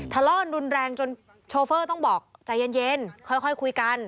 ทะเลาะกันรุนแรงจนโชเฟอร์ต้องบอกใจเย็นค่อยคุยกัน